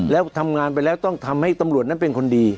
แล้วทำงานไปแล้วต้องทำให้ตำรวจนั้นเป็นคนดี